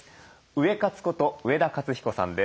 ウエカツこと上田勝彦さんです。